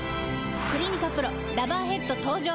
「クリニカＰＲＯラバーヘッド」登場！